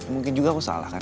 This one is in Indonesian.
mungkin juga aku salah kan